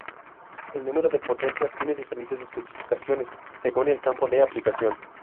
El número de potencia tiene diferentes especificaciones según el campo de aplicación.